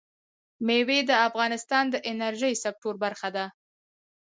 مېوې د افغانستان د انرژۍ سکتور برخه ده.